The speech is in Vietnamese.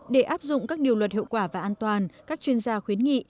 để áp dụng các điều luật hiệu quả và an toàn các chuyên gia khuyến nghị